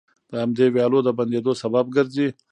د همدې ويالو د بندېدو سبب ګرځي،